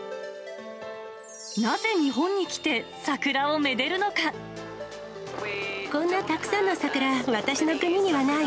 なぜ日本に来て、こんなたくさんの桜、私の国にはない。